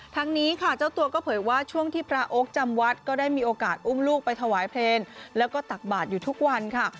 ทั้งนี้ค่ะเจ้าตัวก็เผยว่าช่วงที่พระโอ๊คจำวัดก็ได้มีโอกาสอุ้มลูกไปถวายเพลงแล้วก็ตักบาทอยู่ทุกวันค่ะ